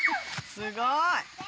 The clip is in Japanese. すごい！